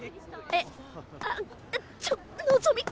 えっあっちょっのぞみ！